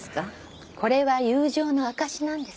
これは友情の証しなんです。